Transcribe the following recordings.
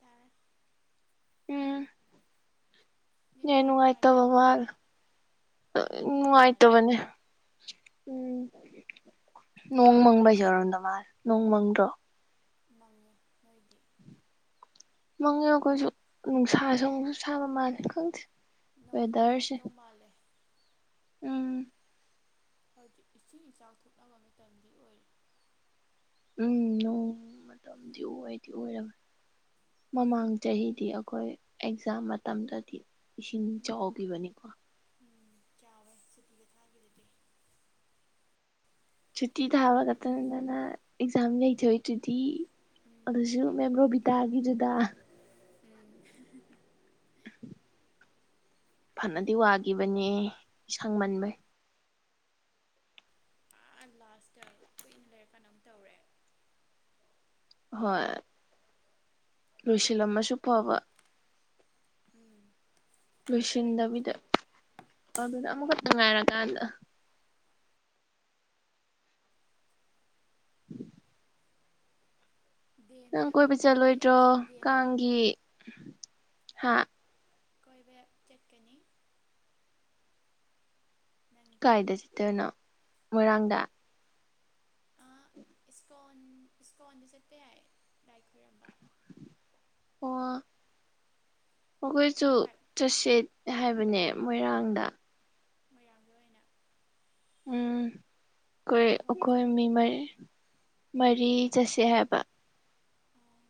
ꯇꯥꯥꯔꯦ ꯎꯝ ꯅꯦꯠ ꯅꯨꯡꯉꯥꯏꯇꯕ ꯃꯥꯜꯂꯦ ꯎꯝ ꯃꯥꯜꯂꯦ ꯅꯨꯡꯉꯥꯢꯇꯕꯅꯦ ꯎꯝ ꯅꯣꯡ ꯃꯪꯕꯩꯁꯨ ꯑꯣꯢꯔꯝꯗꯧ ꯃꯥꯜꯂꯦ ꯅꯣꯡ ꯃꯪꯗꯔꯣ ꯃꯪꯉꯦ ꯅꯣꯏꯗꯤ ꯃꯪꯉꯦ ꯑꯩꯈꯣꯏꯁꯨ ꯅꯨꯡꯁꯥꯁꯨ ꯑꯃꯨꯛꯁꯨ ꯁꯥꯕ ꯃꯥꯜꯂꯦ ꯈꯪꯗꯦ ꯅꯣꯡ ꯋꯦꯗꯔꯁꯦ ꯇꯥꯔꯛꯇꯧ ꯃꯥꯜꯂꯦ ꯎꯝ ꯍꯧꯖꯤꯛ ꯏꯁꯤꯡ ꯏꯆꯥꯎ ꯊꯣꯛꯅꯕ ꯃꯇꯝꯗꯤ ꯑꯣꯏꯔꯦ ꯎꯝ ꯅꯣꯡ ꯃꯇꯝꯗꯤ ꯑꯣꯏꯗꯤ ꯑꯣꯏꯔꯝꯅꯦ ꯃꯃꯥꯡ ꯆꯍꯤꯗꯤ ꯑꯩꯈꯣꯏ ꯑꯦꯛꯖꯥꯝ ꯃꯇꯝꯗꯗꯤ ꯏꯁꯤꯡ ꯎꯝ ꯆꯥꯎꯈꯤꯕꯅꯤꯀꯣ ꯎꯝ ꯆꯥꯎꯋꯦ ꯁꯨꯇꯤꯒ ꯊꯥꯈ꯭ꯔꯤꯗꯨꯗꯤ ꯁꯨꯇꯤ ꯊꯥꯕ ꯈꯛꯇ ꯅꯠꯇꯅ ꯑꯦꯛꯖꯥꯝ ꯌꯩꯊꯣꯛꯢꯗꯨꯗꯤ ꯎꯝ ꯑꯗꯨꯁꯨ ꯃꯦꯝ ꯌꯩꯊꯣꯛ ꯔꯣꯕꯤ ꯇꯒꯤꯗꯨꯗ ꯎꯝ ꯐꯅꯗꯤ ꯋꯥꯈꯤꯕꯅꯦ ꯁꯪ ꯃꯟꯕꯩ ꯎꯝ ꯑꯥ ꯂꯥꯁꯇ ꯀꯨꯏꯅ ꯂꯩꯔ ꯀꯥꯟꯗ ꯑꯃꯨꯛ ꯇꯧꯔꯦ ꯍꯣꯏ ꯂꯣꯏꯁꯤꯜꯂꯝꯃꯁꯨ ꯐꯕ ꯎꯝ ꯑꯃꯇꯪ ꯉꯥꯏꯍꯧꯕꯖꯦ ꯑꯗꯨꯅꯦ ꯑꯃꯈꯛꯇꯥ ꯉꯥꯏꯔꯀꯥꯟꯗ ꯎ [inaudible] ꯅꯪ ꯗꯦꯝꯗ ꯀꯣꯏꯕ ꯑꯣꯏꯇꯥꯔꯗꯤ ꯆꯠꯂꯣꯏꯗ꯭ꯔꯣ ꯑꯁ ꯗꯦꯝꯒꯤꯗꯤ ꯀꯥꯡꯒꯤ ꯍꯥ ꯀꯣꯏꯕ ꯆꯠꯀꯅꯤ ꯅꯪꯗꯤ ꯀꯥꯏꯗ ꯆꯠꯇꯣꯏꯕ ꯅꯪ ꯃꯣꯏꯔꯥꯡꯗ ꯏꯁꯀꯣꯟ ꯏꯁꯀꯣꯟꯗ ꯆꯠꯄ ꯌꯥꯏ ꯂꯥꯏ ꯈꯣꯏꯔꯝꯕ ꯑꯣ ꯑꯩꯈꯣꯏꯁꯨ ꯅꯪ ꯂꯥꯏ ꯆꯠꯆꯦ ꯍꯥꯏꯕꯅꯦ ꯃꯣꯏꯔꯥꯡꯗ ꯃꯣꯢꯔꯥꯡꯗ ꯑꯣꯏꯅ ꯎꯝ ꯑꯩꯈꯣꯏ ꯑꯩꯈꯣꯏ ꯀꯤꯍꯣꯝꯆꯥꯛ ꯃꯤ ꯃꯔꯤ ꯃꯔꯤ ꯀꯅꯥ ꯆꯠꯁꯦ ꯍꯥꯏꯕ ꯑꯥ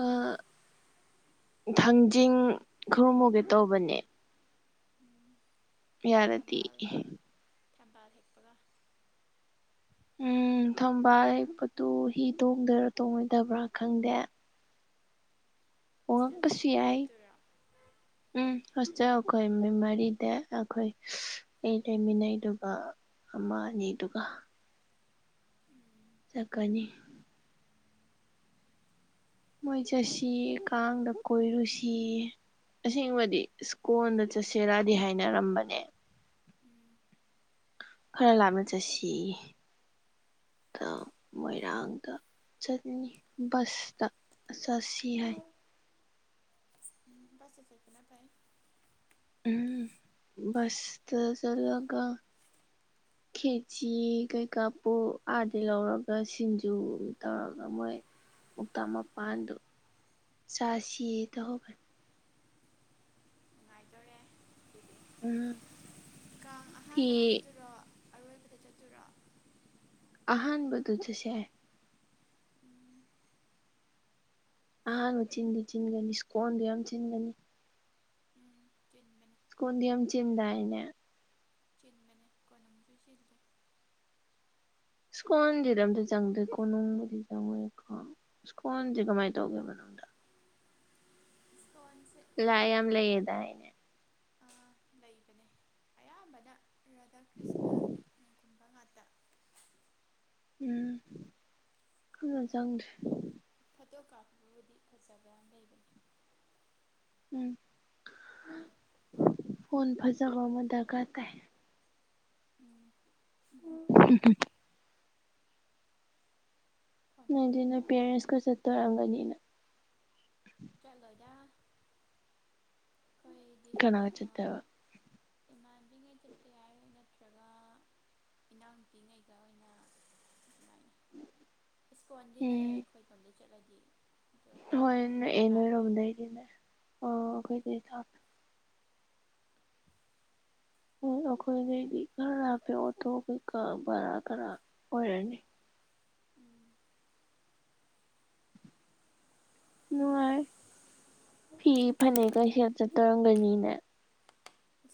ꯑꯥ ꯊꯥꯡꯖꯤꯡ ꯈꯨꯔꯨꯝꯃꯨꯒꯦ ꯇꯧꯕꯅꯦ ꯎꯝ ꯌꯥꯔꯗꯤ ꯊꯝꯕꯥꯜ ꯊꯝꯕꯥꯜ ꯍꯦꯛꯄꯒ ꯎꯝ ꯊꯝꯕꯜ ꯍꯦꯛꯄꯗꯨ ꯍꯤ ꯇꯣꯡꯗꯣꯏꯔꯥ ꯇꯣꯡꯉꯣꯏꯗꯕ꯭ꯔꯥ ꯈꯪꯗꯦ ꯇꯣꯡꯉꯛꯄꯁꯨ ꯌꯥꯏ ꯍ [unintelligible] ꯎꯝ ꯍꯣꯁꯇꯦꯜ ꯑꯩꯈꯣꯏ ꯃꯔꯤꯗ ꯑꯩꯈꯣꯏ ꯃꯤ ꯂꯩꯃꯤꯟꯅꯩꯗꯨꯒ ꯑꯃ ꯑꯅꯤ ꯗꯨꯒ ꯎꯝ ꯆꯠꯀꯅꯤ ꯃꯣꯏ ꯆꯠꯁꯤ ꯀꯥꯡꯗ ꯀꯣꯏꯔꯨꯁꯤ ꯑꯁꯦꯡꯕꯗꯤ ꯁ꯭ꯀꯣꯟꯗ ꯆꯠꯁꯦꯔꯥꯗꯤ ꯍꯥꯏꯅꯔꯝꯕꯅꯦ ꯎꯝ ꯈꯔ ꯂꯥꯞꯅ ꯆꯠꯁꯤꯌꯦ ꯑꯗꯣ ꯃꯣꯏꯔꯥꯡꯗ ꯆꯠꯅꯤ ꯕꯁꯇ ꯆꯠꯁꯤ ꯍꯥꯏ ꯎꯝ ꯕꯁꯇ ꯆꯠꯄꯅ ꯐꯥꯏ ꯎꯝ ꯕꯁꯇ ꯆꯠꯂꯒ [inaudible] ꯈꯦꯆꯤ ꯀꯩꯀꯥ ꯄꯨꯨ ꯑꯥꯗ ꯂꯧꯔꯒ ꯁꯤꯡꯖꯨ ꯇꯧꯔꯒ ꯃꯣꯏ ꯂꯣꯛꯇꯥꯛ ꯃꯄꯥꯟꯗꯨ ꯆꯥꯁꯤ ꯇꯧꯕ ꯅꯨꯡꯉꯥꯏꯗꯣꯔꯦ ꯎꯝ꯫ ꯀꯥꯡ ꯐꯤ ꯑꯍꯥꯟꯕꯗ ꯆꯠꯇꯨꯔꯣ ꯑꯔꯣꯏꯕꯗ ꯆꯠꯇꯨꯔꯣ ꯑꯍꯥꯟꯕꯗꯨ ꯆꯠꯁꯦ ꯎꯝ꯫ ꯑꯍꯥꯟꯕ ꯆꯤꯟꯗꯤ ꯆꯤꯟꯒꯅꯤ ꯏꯁ꯭ꯀꯣꯟꯗꯨ ꯌꯥꯝ ꯆꯤꯟꯒꯅꯤ꯫ ꯎꯝ ꯆꯤꯟꯕꯅꯦ꯫ ꯀꫭꯟꯗꯤ ꯌꯥꯝ ꯆꯤꯟꯗꯥꯏꯅꯦ꯫ ꯆꯤꯟꯕꯅꯦ ꯀꯣꯅꯨꯡꯁꯨ ꯆꯤꯜꯂꯦ꯫ ꯏꯁ꯭ꯀꯣꯟꯗꯨꯗ ꯑꯝꯇ ꯆꯪꯗ ꯀꯣꯅꯨꯡꯕꯨꯗꯤ ꯆꯪꯉꯨꯔꯦꯀꯣ꯫ ꯏꯁ꯭ꯀꯣꯟꯗꯤ ꯀꯃꯥꯏ ꯇꯧꯒꯦ ꯃꯅꯨꯡꯗ [unintelligible] ꯂꯥꯏ ꯌꯥꯝ ꯂꯩꯌꯦꯗꯥꯏꯅꯦ ꯑꯥ ꯂꯩꯕꯅꯦ ꯑꯌꯥꯝꯕꯅ ꯔꯥꯙꯥ ꯀ꯭ꯔꯤꯁꯅꯒꯤ [unintelligible] ꯒꯨꯝꯕ ꯉꯥꯛꯇ ꯎꯝ [unintelligible] ꯆꯪꯗꯦ ꯐꯣꯇꯣ ꯀꯥꯞꯄꯕꯨꯗꯤ ꯐꯖꯕ ꯌꯥꯝ ꯂꯩꯕꯅꯦ ꯫ ꯎꯝ꯫ [inaudible] ꯐꯣꯟ ꯐꯖꯕ ꯑꯃ ꯗꯔꯀꯥꯔ ꯇꯥꯏ꯫ ꯎꯝ [inaudible] [inaudible] ꯐꯣꯟ ꯅꫭꯏꯗꯤ ꯐꯖꯕ ꯅꫭꯏ ꯌꯥꯝ ꯋꯥꯡꯉꯦ ꯄꯦꯔꯦꯟꯁ ꯀꯥ ꯆꯠꯇꯨꯏ ꯑꫭꯏꯔꯝꯒꯅꯤꯅꯦ꯫ ꯆꯠꯂꯣꯏꯗ ꯈꫭꯏꯗꯤ ꯀꯅꯥꯒ ꯑꯥ ꯆꯠꯇꯣꯏꯕ ꯏꯃꯥꯟꯅꯕꯤ ꯉꯩ ꯆꯠꯄ ꯌꯥꯏ ꯅꯠꯇ꯭ꯔꯒ ꯏꯅꯥꯎꯅꯨꯄꯤꯉꯩꯒ ꯑꯣꯏꯅ ꯑꯗꯨꯃꯥꯏꯅ ꯏꯁ꯭ꯀꯣꯟꯗꯤ ꯅꯛꯑꯦ ꯎꯝ ꯑꯩꯈꯣꯏꯂꯣꯝꯗꯩ ꯆꯠꯂꯗꯤ ꯑꯗꯨ ꯍꯣꯏ ꯀꯣꯅꯨꯡꯅꯃꯨꯛ ꯅꯛꯑꯦ ꯈꯔ ꯂꯥꯞꯄꯦ ꯑꯣ ꯅꯣꯏꯔꯣꯝꯗꯩꯗꯤꯅꯦ ꯎꯝ ꯑꯩꯈꫭꯏꯗꯤ ꯊꯥꯞꯄꯦ ꯍꯦ ꯑꯩꯈꯣꯏꯗꯩꯗꯤ ꯈꯔ ꯂꯥꯞꯄꯦ ꯑꫭꯇꫭ ꯀꯩꯀꯥ ꯚꯔꯥ ꯈꯔ ꯑꯣꯏꯔꯅꯤ꯫ ꯎꯝ ꯅꯨꯡꯉꯥꯏ ꯐꯤ ꯐꯅꯦꯛ ꯀꯩ ꯁꯦꯠ ꯆꯠꯇꯧ ꯑꫭꯏꯔꯝꯒꯅꯤꯅꯦ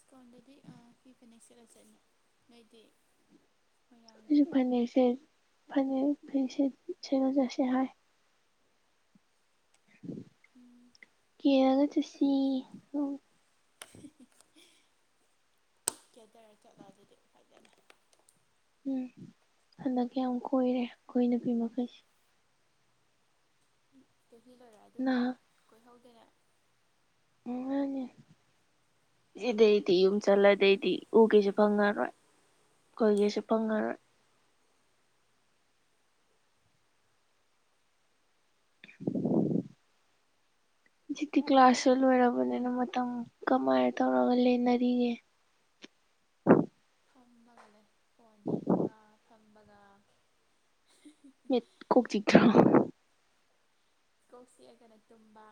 ꯏꯁ꯭ꯀꫭꯟꯗꯗꯤ ꯑ ꯐꯤ ꯐꯅꯦꯛ ꯁꯦꯠꯂ ꯆꯠꯅꯤ ꯅꯣꯏꯗꯤ ꯃꯣꯏꯔꯥꯡꯗꯤ ꯍꯧꯖꯤꯛ ꯐꯅꯦꯛ ꯁꯦꯠ ꯐꯅꯦꯛ ꯐꯤ ꯁꯦꯠ ꯁꯦꯠꯂꯥ ꯆꯠꯁꯦ ꯍꯥꯏ꯫ ꯀꯦꯔꯒ ꯆꯠꯁꯤ [inaudible] ꯀꯦꯗꯔ ꯆꯠꯂꫭ ꯑꯗꯨꯗꯤ ꯐꯖꯅꯥ ꯎꯝ ꯍꯟꯗꯛꯇꯤ ꯌꯥꯝ ꯀꯣꯏꯔꯦ ꯑꯩꯈꯣꯏ ꯅꯨꯄꯤ ꯃꯈꯩꯁꯦ ꯆꯍꯤ ꯂꯣꯏꯔꯥ ꯑꯗꯨꯕꯨ ꯅꯍꯥꯟ ꯀꯣꯏꯍꯧꯗꯅꯥ ꯃꯥꯅꯦ ꯀꯔꯝ ꯀꯥꯟ ꯁꯤꯗꯥꯏꯗꯤ ꯌꯨꯝ ꯀꯣꯏꯗꯣꯏꯅꯣ ꯆꯠꯂꯗꯥꯏꯗꯤ ꯎꯒꯤꯁꯨ ꯐꯪꯉꯔꯣꯏ ꯀꫭꯏꯒꯁꯨ ꯐꯪꯉꯔꯣꯏ [unintelligible] ꯍꯧꯖꯤꯛꯇꯤ ꯀ꯭ꯂꯥꯁꯁꯨ ꯂꯣꯏꯔꯕꯅꯤꯅ ꯃꯇꯝ ꯀꯃꯥꯏꯅ ꯇꯧꯔꯒ ꯂꯩꯅꯔꯤꯒꯦ ꯐꯝꯃꯒ ꯂꯩ ꯐꯣꯟ ꯌꯦꯡꯕꯒ ꯐꯝꯕꯒ ꯃꯤꯠ ꯀꯣꯛ ꯆꯤꯛꯇ꯭ꯔꯣ ꯀꯣꯛ ꯆꯤꯛꯑꯒꯅ ꯇꯨꯝꯕ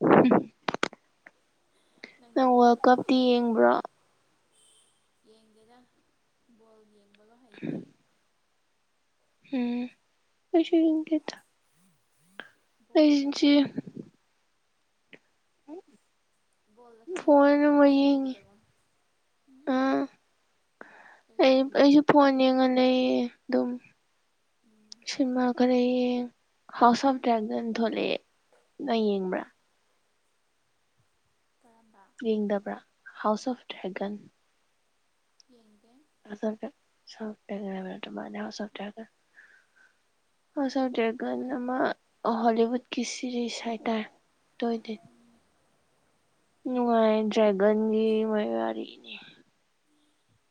ꯍꯨꯝ ꯅꯪ ꯅꯪꯗꯤ ꯋꯥꯔꯜ ꯀꯞꯇꯤ ꯌꯦꯡꯕ꯭ꯔꯣ ꯌꯦꯡꯗꯦꯗ ꯕꯣꯜ ꯌꯦꯡꯕꯒ ꯍꯩꯇꯦ ꯎꯝ ꯑꯩꯁꯨ ꯌꯦꯡꯗꯦꯗ ꯕꯣꯜꯗ ꯑꯩꯁꯤ ꯈꯪꯉꯤꯝ ꯕꯣꯜꯗ ꯈꯪꯉꯤꯕ ꯍꯥꯏ ꯕꯣꯜ ꯆꯪꯈꯤꯕꯗꯣ ꯎꯝ ꯀꯩ ꯑꯩ ꯌꯦꯡꯉꯤꯅꯣ ꯑꯩꯁꯨ ꯐꯣꯟ ꯌꯦꯡꯉ ꯂꯩꯌꯦ ꯑꯗꯨꯝ ꯎꯝ ꯁꯤꯃ ꯈꯔ ꯌꯦꯡ ꯍꯥꯎꯁ ꯑꯣꯐ ꯇ꯭ꯔꯦꯛꯖꯟ ꯊꯣꯛꯂꯛꯑꯦ ꯅꯪ ꯌꯦꯡꯕ꯭ꯔꯥ ꯀꯔꯝꯕ ꯌꯦꯡꯗꯕ꯭ꯔꯥ ꯍꯥꯎꯁ ꯑꯣꯐ ꯗ꯭ꯔꯒꯟ ꯌꯦꯡꯗꯦ ꯑꯗꯨꯒ [unintelligible] ꯍꯣꯁ ꯑꯣꯐ ꯑꯩ ꯗ꯭ꯔꯦꯒꯥꯜ ꯍꯧ ꯑꯃ ꯍꯣꯂꯤꯋꯨꯠ ꯀꯤ ꯁꯤꯔꯤꯁ ꯍꯥꯏ ꯇꯥꯔꯦ ꯑꯗꯨ ꯑꯣꯢꯗꯨꯢꯅꯦ ꯎꯝ ꯅꯨꯡꯉꯥꯏ ꯑꯩ ꯗ꯭ꯔꯦꯒꯟꯒꯤ ꯃꯣꯢ ꯋꯥꯔꯤꯅꯤ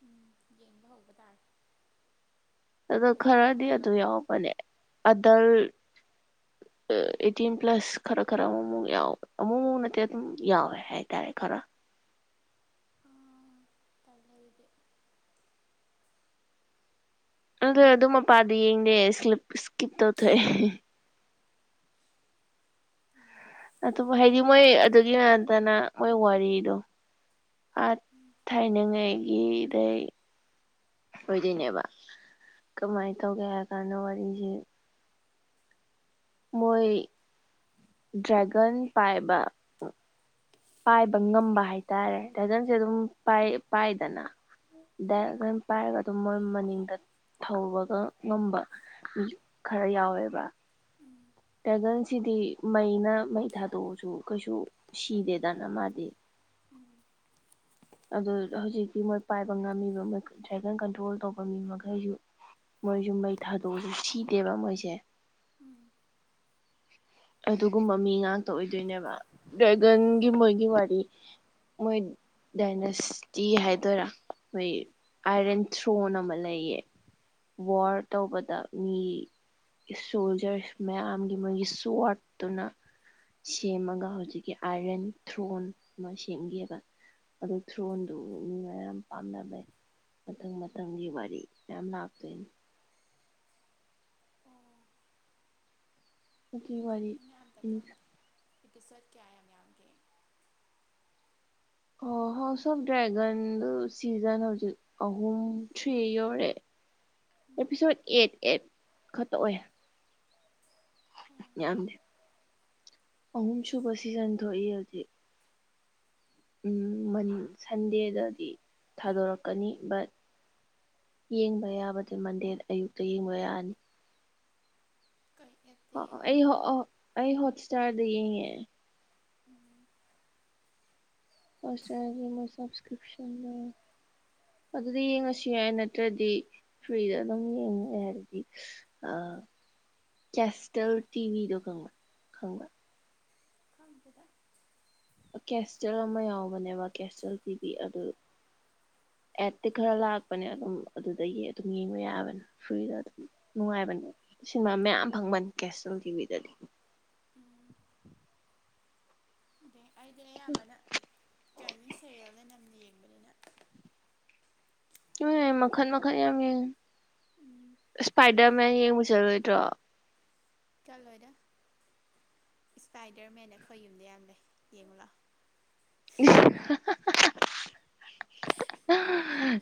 ꯎꯝ ꯌꯦꯡꯕ ꯍꯧꯕ ꯇꯥꯔꯦ ꯑꯗꯣ ꯅꯨꯡꯉꯥꯏ ꯈꯔꯗꯤ ꯅꯨꯡꯉꯥꯏꯕ ꯑꯗꯨ ꯌꯥꯎꯕꯅꯦ ꯑꯗꯜ [unintelligible] ꯑꯦꯇꯤꯟ ꯄ꯭ꯂꯁ ꯈꯔ ꯈꯔ ꯑꯃꯨꯃꯨꯛ ꯌꯥꯎꯋꯦ ꯑꯃꯨꯛꯃꯨꯛ ꯅꯠꯇꯦ ꯑꯗꯨꯝ ꯌꯥꯎꯋꯦ ꯍꯥꯏꯇꯥꯔꯦ ꯈꯔ ꯇꯥꯜꯂꯦ ꯑꯗꯨꯗꯤ ꯑꯗꯣ ꯑꯗꯨꯢ ꯃꯄꯥꯗꯤ ꯌꯦꯡꯗꯦ ꯏꯁꯀꯤꯞ ꯇꯧꯊꯣꯛꯑꯦ ꯎꯝ ꯑꯗꯨ ꯍꯥꯏꯗꯤ ꯃꯣꯏ ꯑꯗꯨꯒꯤ ꯅꯠꯇꯅ ꯃꯣꯏ ꯋꯥꯔꯤꯗꯣ ꯑꯥ ꯎꯝ ꯊꯥꯏꯅꯉꯥꯏꯒꯤꯗꯩ ꯑꯣꯏꯗꯣꯏꯅꯦꯕ ꯀꯃꯥꯏꯅ ꯇꯧꯒꯦ ꯍꯥꯏꯔ ꯀꯥꯟꯗ ꯋꯥꯔꯤꯁꯦ ꯃꯣꯏ ꯗ꯭ꯔꯦꯒꯟ ꯄꯥꯏꯕ ꯄꯥꯏꯕ ꯉꯝꯕ ꯍꯥꯏꯇꯥꯔꯦ ꯗ꯭ꯔꯦꯒꯟ ꯑꯗꯨꯝ ꯄꯥꯏꯗꯅ [unintelligible] ꯄꯥꯏꯔꯒ ꯑꯗꯨꯝ ꯃꯣꯏ ꯃꯅꯤꯡꯗ ꯊꯧꯕꯒ ꯉꯝꯕ ꯈꯔ ꯌꯥꯎꯋꯦꯕ ꯎꯝ ꯗ꯭ꯔꯦꯒꯟꯁꯤꯗꯤ ꯃꯩꯅ ꯃꯩ ꯊꯥꯗꯣꯛꯑꯁꯨ ꯀꯩꯁꯨ ꯁꯤꯗꯦꯗꯅ ꯃꯥꯗꯤ ꯎꯝ ꯑꯗꯨ ꯍꯧꯖꯤꯛꯇꯤ ꯃꯣꯏ ꯄꯥꯏꯕ ꯉꯝꯃꯤꯕ ꯃꯣꯏ ꯗ꯭ꯔꯦꯒꯟ ꯀꯟꯇ꯭ꯔꯣꯜ ꯇꯧꯕ ꯃꯤ ꯃꯈꯩꯁꯨ ꯃꯣꯏꯁꯨ ꯃꯩ ꯊꯥꯗꯣꯛꯑꯁꯨ ꯁꯤꯗꯦꯕ ꯃꯣꯏꯁꯦ ꯎꯝ ꯑꯗꯨꯒꯨꯝꯕ ꯃꯤ ꯉꯥꯛꯇ ꯑꯣꯏꯗꯣꯏꯅꯦꯕ ꯗ꯭ꯔꯦꯒꯟꯒꯤ ꯃꯣꯏꯒꯤ ꯋꯥꯔꯤ ꯃꯣꯏ ꯗꯥꯏꯅꯦꯁꯇꯤ ꯍꯥꯏꯗꯣꯏꯔꯥ ꯃꯣꯏ ꯑꯥꯏꯔꯥꯟ ꯊ꯭ꯔꯣꯟ ꯑꯃ ꯂꯩꯌꯦ ꯋꯥꯔ ꯇꯧꯕꯗ ꯃꯤ ꯁꯣꯜꯖꯔ ꯃꯌꯥꯝꯒꯤ ꯃꯣꯏꯒꯤ ꯁꯨꯋꯥꯠꯇꯨꯅ ꯁꯦꯝꯃꯒ ꯍꯧꯖꯤꯛꯀꯤ ꯑꯥꯏꯔꯟ ꯊ꯭ꯔꯣꯟ ꯑꯃ ꯁꯦꯝꯒꯤꯕ ꯑꯗꯨ ꯊ꯭ꯔꯣꯟꯗꯨ ꯃꯤꯅ ꯌꯥꯝ ꯄꯥꯝꯅꯕꯩ ꯃꯊꯪ ꯃꯊꯪꯒꯤ ꯋꯥꯔꯤ ꯃꯌꯥꯝ ꯂꯥꯛꯇꯣꯏꯅꯤ ꯑꯣ ꯀꯨꯀꯤ ꯋꯥꯔꯤ ꯌꯦꯡꯗ꯭ꯔꯤꯕꯅꯤ ꯑꯝꯇꯥ ꯈꯪꯗꯦ ꯑꯤ ꯄꯤ ꯁꯣꯔꯠ ꯀꯌꯥ ꯌꯥꯝ ꯌꯥꯝꯒꯦ ꯑꯣ ꯍꯣ ꯁꯨꯝ ꯗ꯭ꯔꯒꯟ ꯁꯤꯖꯟ ꯍꯧꯖꯤꯛ ꯑꯍꯨꯝ ꯊ꯭ꯔꯤ ꯌꯧꯔꯦ ꯎꯝ ꯑꯦꯄꯤꯁꯣꯠ ꯑꯦꯠ ꯑꯦꯠ ꯈꯛꯇ ꯑꯣꯏ ꯑꯣ ꯌꯥꯝꯗꯦ ꯑꯍꯨꯝ ꯁꯨꯕ ꯁꯤꯖꯟ ꯊꯣꯛꯏ ꯍꯧꯖꯤꯛ ꯎꯝ ꯁꯟꯗꯦꯗꯗꯤ ꯊꯥꯗꯣꯔꯛꯀꯅꯤ ꯕꯠ ꯌꯦꯡꯕ ꯌꯥꯕꯗꯤ ꯃꯟꯗꯦꯗ ꯑꯌꯨꯛꯇ ꯌꯦꯡꯕ ꯌꯥꯅꯤ ꯀꯔꯤꯒꯤ ꯑꯩ ꯑꯩ ꯍꯣꯠ ꯁꯇꯔꯗ ꯌꯦꯡꯉꯦ ꯎꯝ ꯍꯣꯁꯇꯦꯟꯒꯤ ꯃꯣꯢ ꯁꯞꯁꯀ꯭ꯔꯤꯞꯁꯟꯅꯦ ꯑꯗꯨꯗꯤ ꯌꯦꯡꯉꯁꯨ ꯌꯥꯏ ꯅꯠꯇ꯭ꯔꯗꯤ ꯐ꯭ꯔꯤꯗ ꯑꯗꯨꯝ ꯌꯦꯡꯒꯦ ꯍꯥꯏꯔꯗꯤ ꯑ ꯀꯦꯁꯇꯦꯜ ꯇꯤꯚꯤꯗꯣ ꯈꯪꯕ ꯈꯪꯕꯔꯥ ꯈꯪꯗꯦꯍ‌ꯦ ꯀꯦꯁꯇꯦꯜ ꯑꯃ ꯌꯥꯎꯕꯅꯦꯕ ꯀꯦꯁꯇꯦꯜ ꯄꯤꯕꯤ ꯑꯗꯨ ꯑꯦꯇꯤ ꯈꯔ ꯂꯥꯛꯄꯅꯦ ꯑꯗꯨꯝ ꯑꯗꯨꯗꯒꯤ ꯑꯗꯨꯝ ꯌꯦꯡꯕ ꯌꯥꯕꯅꯦ ꯐ꯭ꯔꯤꯗ ꯑꯗꯨꯝ ꯅꯨꯡꯉꯥꯏꯕꯅꯦ ꯁꯤꯅꯦꯃꯥ ꯃꯌꯥꯝ ꯐꯪꯕꯅꯤ ꯀꯦꯁꯇꯜ ꯇꯤꯚꯤꯗꯗꯤ ꯑꯥ ꯑꯩꯗꯤ ꯑꯌꯥꯝꯕꯅ ꯆꯥꯏꯅꯤ ꯁꯦꯔꯜꯅ ꯅꯝꯅ ꯌꯦꯡꯕꯅꯤꯅ ꯅꯣꯢ ꯃꯈꯟ ꯃꯈꯟ ꯌꯥꯝ ꯌꯦꯡꯉꯦ ꯎꯝ ꯏꯁꯄꯥꯏꯗꯔ ꯃꯦꯟ ꯌꯦꯡꯕ ꯆꯠꯂꯣꯏꯗ꯭ꯔꯣ ꯆꯜꯂꯣꯏꯗ ꯏꯁꯄꯥꯏꯗꯔ ꯃꯦꯟꯗꯦ ꯑꯩꯈꯣꯏ ꯌꯨꯝꯗ ꯌꯥꯝ ꯂꯩ ꯌꯦꯡꯉꯣ ꯂꯥꯛꯑꯣ ꯏꯁ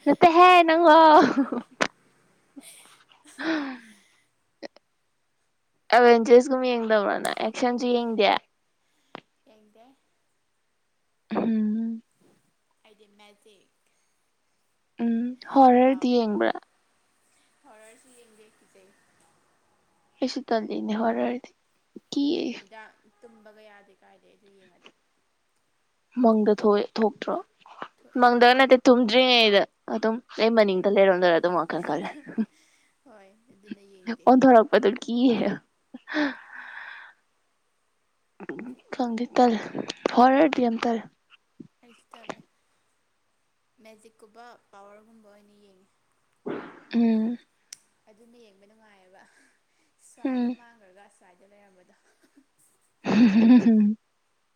ꯅꯠꯇꯦ ꯍꯦ ꯅꯪꯕꯨ ꯑꯦꯚꯦꯟꯖꯔꯁꯀꯨꯝꯕ ꯌꯦꯡꯗꯕ꯭ꯔꯅ ꯑꯦꯛꯁꯟꯁꯨ ꯌꯦꯡꯗꯦ [unintelligible] ꯗꯦ ꯎꯝ ꯑꯩꯗꯤ ꯃꯦꯖꯤꯛ ꯎꯝ ꯄꯥꯎ ꯍꯣꯔꯔꯗꯤ ꯌꯦꯡꯕ꯭ꯔꯥ ꯍꯣꯔꯔ ꯁꯨ ꯌꯦꯡꯗꯦ ꯀꯤꯖꯩ ꯑꯩꯁꯨ ꯇꯜꯂꯤꯅꯦ ꯍꯣꯔꯔꯗꯤ ꯀꯤꯌꯦ ꯗꯥꯛ ꯇꯨꯝꯕꯒ ꯌꯥꯗꯦ ꯀꯥꯏꯗꯩ ꯑꯗꯨ ꯌꯦꯡꯉꯗꯤ ꯃꯪꯗ ꯊꯣꯛ ꯊꯣꯛꯇ꯭ꯔꯣ ꯊꯣꯛꯑꯦ ꯃꯪꯗꯒ ꯅꯠꯇꯦ ꯇꯨꯝꯗ꯭ꯔꯤꯉꯩꯗ ꯑꯗꯨꯝ ꯑꯩ ꯃꯅꯤꯡꯗ ꯂꯩꯔꯝꯗꯣꯢꯔ ꯑꯗꯨꯝ ꯋꯥꯈꯜ ꯈꯜꯂꯦ ꯍꯣꯏ ꯑꯗꯨꯅ ꯌꯦꯡꯗꯦ ꯑꯣꯟꯊꯣꯔꯛ ꯑꯣꯟꯊꯣꯛꯔꯛꯄꯗꯣ ꯀꯤꯌꯦꯕ ꯈꯪꯗꯦ ꯇꯜꯂꯦ ꯍꯣꯔꯔꯗꯤ ꯌꯥꯝ ꯇꯜꯂꯦ ꯑꯩꯁꯨ ꯇꯜꯂꯦ ꯃꯦꯖꯤꯛꯀꯨꯝꯕ ꯄꯋꯥꯔꯒꯨꯝꯕ ꯑꯣꯏꯅ ꯌꯦꯡꯉꯦ ꯎꯝ ꯑꯗꯨꯅ ꯌꯦꯡꯕ ꯅꯨꯡꯉꯥꯏꯌꯦꯕ ꯁ꯭ꯋꯥꯏꯒ ꯎꯝ ꯃꯥꯡꯈ꯭ꯔꯒ ꯑꯁ꯭ꯋꯥꯏꯗ ꯂꯩꯔꯝꯕꯗꯣ ꯎꯝ [unintelligible]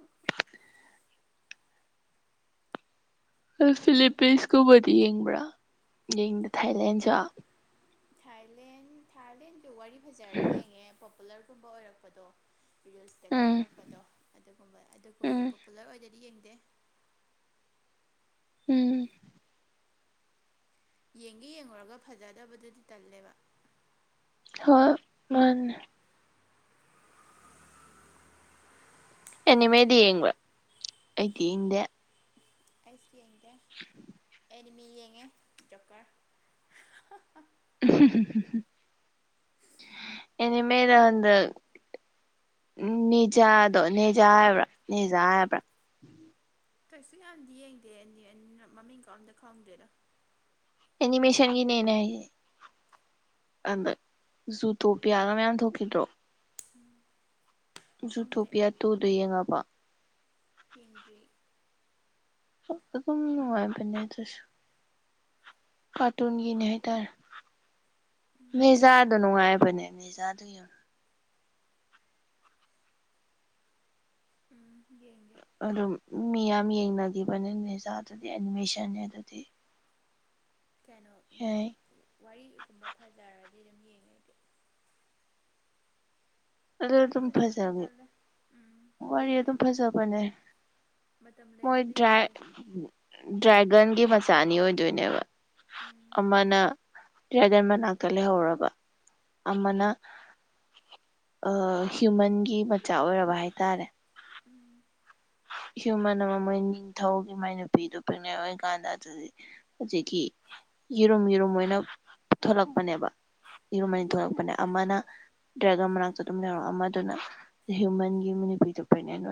ꯎꯝ [unintelligible] ꯅꯪ ꯐꯤꯂꯤꯄꯤꯟꯁꯀꯨꯝꯕꯗꯤ ꯌꯦꯡꯕ꯭ꯔꯥ ꯌꯦꯡꯗꯦ ꯊꯥꯏꯂꯦꯟꯁꯨ ꯊꯥꯏꯂꯦꯟ ꯊꯥꯏꯂꯦꯟꯗꯤ ꯋꯥꯔꯤ ꯐꯖꯔꯗꯤ ꯌꯦꯡꯉꯦ ꯄꯣꯄꯨꯂꯔꯒꯨꯝꯕ ꯑꯣꯏꯔꯛꯄꯗꯣ ꯔꯤꯜꯁꯇꯒ ꯎꯝ ꯊꯣꯛꯂꯛꯄꯗꯣ ꯑꯗꯨꯒꯨꯝꯕ ꯑꯗꯨꯒꯨꯝꯕ ꯎꯝ ꯄꯣꯄꯨꯂꯔ ꯑꯣꯏꯗꯗꯤ ꯌꯦꯡꯗꯦ ꯎꯝ ꯌꯦꯡꯒꯩ ꯌꯦꯡꯎꯨꯔꯒ ꯐꯖꯗꯕꯗꯨꯗꯤ ꯇꯜꯂꯦꯕ ꯍꯣꯏ ꯃꯥꯅꯦ ꯑꯦꯅꯤꯃꯦꯗꯤ ꯌꯦꯡꯕ꯭ꯔꯥ ꯑꯩꯗꯤ ꯌꯦꯡꯗꯦ ꯑꯩꯁꯨ ꯌꯦꯡꯗꯦ ꯑꯦꯅꯤꯃꯤ ꯌꯦꯡꯉꯦ ꯖꯣꯀꯔ ꯑꯦꯅꯤꯃꯦꯗ ꯍꯟꯗꯛ ꯎꯝ ꯅꯤꯟꯖꯥꯗꯣ ꯅꯦꯖꯥ ꯍꯥꯏꯕ꯭ꯔꯥ ꯅꯦꯖꯥ ꯍꯥꯏꯕ꯭ꯔꯥ ꯀꯩꯁꯨ ꯌꯥꯝꯗꯤ ꯌꯦꯡꯗꯦ ꯑꯦꯅꯤ ꯑꯦꯅꯤ ꯃꯃꯤꯡꯒ ꯑꯝꯇ ꯈꯪꯗꯦꯗ ꯑꯦꯅꯤꯃꯦꯁꯟꯒꯤꯅꯦ ꯑꯩꯅ ꯍꯥꯢꯁꯤ ꯑꯗ ꯖꯨꯇꯣꯄꯤꯌꯥꯒ ꯃꯌꯥꯝ ꯊꯣꯛꯈꯤꯗ꯭ꯔꯣ ꯈꯪꯗꯦ ꯖꯨꯇꯣꯄꯤꯌꯥ ꯇꯨꯗꯣ ꯌꯦꯡꯉꯕ꯭ꯔꯣ ꯌꯦꯡꯗ꯭ꯔꯤ ꯑꯗꯨꯝ ꯅꯨꯡꯉꯥꯏꯕꯅꯦ ꯑꯗꯨꯁꯨ ꯀꯥꯔꯇꯨꯟꯒꯤꯅꯦ ꯍꯥꯏꯇꯥꯔꯦ ꯎꯝ ꯅꯦꯖꯥꯗꯣ ꯅꯨꯡꯉꯥꯏꯕꯅꯦ ꯅꯦꯖꯥꯗꯨ ꯌꯥꯝ ꯌꯦꯡꯒꯦ ꯑꯗꯨꯝ ꯃꯤ ꯌꯥꯝ ꯌꯦꯡꯅꯒꯤꯕꯅꯤꯅꯦ ꯅꯦꯖꯣꯗꯨꯗꯤ ꯑꯦꯅꯤꯃꯦꯁꯟꯅꯦ ꯑꯗꯨꯗꯤ ꯀꯩꯅꯣ ꯌꯥꯏ ꯋꯥꯔꯤꯒꯨꯝꯕ ꯐꯖꯔꯗꯤ ꯑꯗꯨꯝ ꯌꯦꯡꯉꯦ ꯑꯩꯗꯤ ꯑꯗꯨ ꯋꯥꯔꯤ ꯑꯗꯨꯝ ꯐꯖꯗ꯭ꯔꯗꯤ ꯐꯖꯕꯟ ꯇꯜꯂꯦ ꯎꯝ ꯋꯥꯔꯤ ꯌꯦꯡꯗꯦ ꯑꯗꯨꯝ ꯑꯗꯣ ꯐꯖꯕꯅꯦ ꯃꯇꯝ ꯃꯣꯏ ꯂꯦꯟꯕꯗ ꯗ꯭ꯔꯥꯏꯠ ꯌꯦꯡꯒꯦ ꯗ꯭ꯔꯦꯒꯟꯒꯤ ꯃꯆꯥ ꯑꯅꯤ ꯑꯣꯏꯗꯣꯏꯅꯦꯕ ꯎꯝ ꯑꯃꯅ ꯗ꯭ꯔꯦꯒꯟ ꯃꯅꯥꯛꯇ ꯂꯩꯍꯧꯔꯕ ꯑꯃꯅ ꯑ ꯍꯤꯌꯨꯃꯟꯒꯤ ꯃꯆꯥ ꯑꯣꯏꯔꯕ ꯍꯥꯏꯇꯥꯔꯦ ꯎꯝ ꯍ꯭ꯌꯨꯃꯟ ꯑꯃꯥ ꯃꯣꯏ ꯅꯤꯡꯊꯧꯒꯤ ꯃꯥꯏ ꯅꯨꯨꯄꯤꯗꯣ ꯄ꯭ꯔꯦꯛꯅꯦꯟ ꯑꯣꯏꯀꯥꯟꯗ ꯑꯗꯨꯒꯤ ꯍꯧꯖꯤꯛꯀꯤ ꯌꯦꯔꯨꯝ ꯌꯦꯔꯨꯝ ꯑꯣꯏꯅ ꯊꯣꯂꯛꯄꯅꯦꯕ ꯌꯦꯔꯨꯝ ꯑꯅꯤ ꯎꯝ ꯊꯣꯛꯂꯛꯄꯅꯦ ꯑꯃꯅ ꯗ꯭ꯔꯦꯒꯟ ꯃꯅꯥꯛꯇ ꯑꯗꯨꯝ ꯂꯩꯍꯧꯔꯕ ꯑꯃꯗꯨꯅ ꯍ꯭ꯌꯨꯃꯟꯒꯤ ꯅꯨꯄꯤꯗꯣ ꯄ꯭ꯔꯦꯛꯅꯦꯟ ꯑꯣꯏ